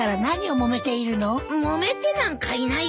もめてなんかいないよ。